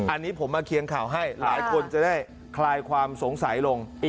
อันนี้ผมมาเคียงข่าวให้หลายคนจะได้คลายความสงสัยลง